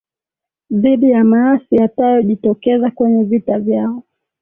dhidi ya maasi yatayojitokeza kwenye vita vyao